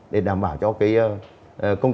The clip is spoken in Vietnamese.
để đảm bảo cho các đơn vị chức năng